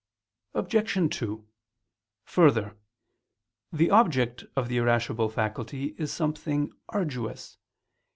Obj. 2: Further, the object of the irascible faculty is something arduous.